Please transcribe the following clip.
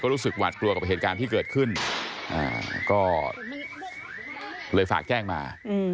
รู้สึกหวาดกลัวกับเหตุการณ์ที่เกิดขึ้นก็เลยฝากแจ้งมา